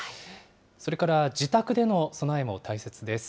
それから自宅での備えも大切です。